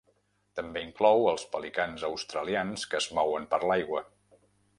També inclou els pelicans australians que es mouen per l'aigua.